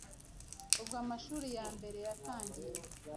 bwo amashuri ya mbere yatangiye